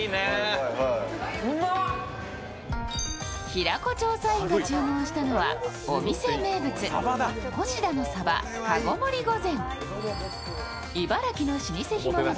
平子調査員が注文したのはお店名物、越田の鯖籠盛り御膳。